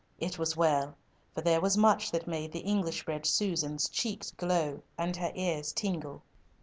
It was well, for there was much that made the English bred Susan's cheeks glow and her ears tingle.